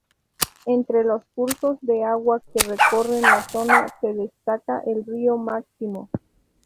Entre los cursos de agua que recorren la zona se destaca el río máximo.